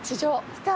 来た！